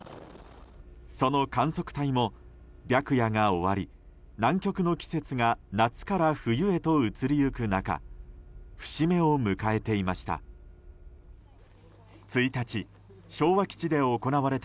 その観測隊も白夜が終わり南極の季節が夏から冬へと移り行く中節目を迎えていました。